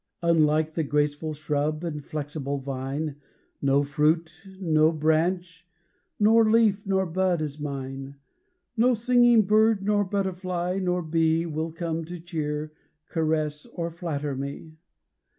Unlike the graceful shrub, and flexible vine, No fruit no branch nor leaf, nor bud, is mine. No singing bird, nor butterfly, nor bee Will come to cheer, caress, or flatter me.